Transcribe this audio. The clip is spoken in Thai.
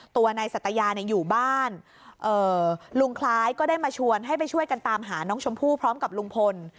ตัวนายสัตยาอยู่บ้านลุงคล้ายก็ได้มาชวนให้ไปช่วยกันตามหาน้องชมพู่พร้อมกับลุงพล